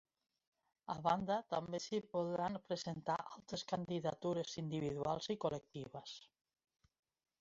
A banda, també s’hi podran presentar altres candidatures individuals i col·lectives.